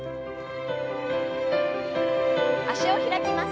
脚を開きます。